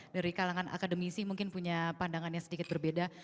dari kalangan akademisi mungkin punya pandangan yang sedikit berbeda